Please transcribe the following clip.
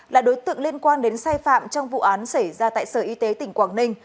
là đối tượng liên quan đến sai phạm trong vụ án xảy ra tại sở y tế tỉnh quảng ninh